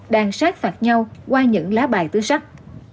đang sát phạt nhau qua những lá bài tứ sắc